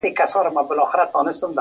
چې ګوتې ورسره خوړل کېدې.